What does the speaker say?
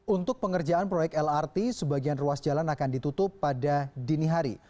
untuk pengerjaan proyek lrt sebagian ruas jalan akan ditutup pada dini hari